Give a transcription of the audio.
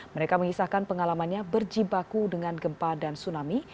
mereka mengisahkan pengalamannya berjibaku dengan gempa dan tsunami